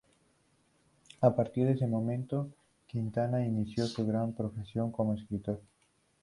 A partir de ese momento, Quintana inició su gran profesión como escritor.